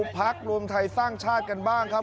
พักรวมไทยสร้างชาติกันบ้างครับ